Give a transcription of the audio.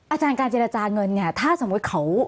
อาจารย์การเจรจาเงินเนี่ยถ้าสมมุติเขา